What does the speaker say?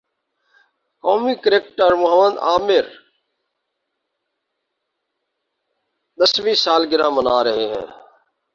قومی کرکٹر محمد عامر ویں سالگرہ منا رہے ہیں